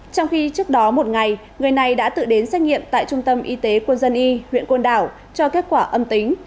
trong khi trước đó một ngày người này đã tự đến xét nghiệm tại trung tâm y tế quân dân y huyện côn đảo cho kết quả âm tính